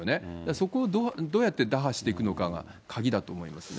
そこをどうやって打破していくのかが鍵だと思いますね。